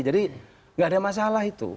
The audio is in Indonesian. jadi gak ada masalah itu